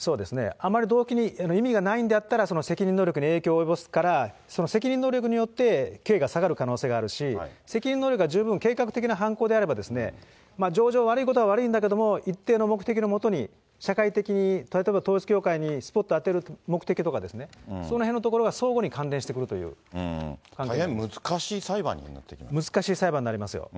あまり動機に意味がないんであったら、その責任能力に影響を及ぼすから、その責任能力によって刑が下がる可能性があるし、責任能力が十分計画的な犯行であれば、情状、悪いことは悪いんだけれども、一定の目的のもとに、社会的、例えば統一教会にスポットを当てる目的とかですね、そのへんのと大変難しい裁判になってきま難しい裁判になりますよ。